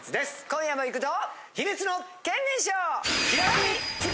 今夜もいくぞ。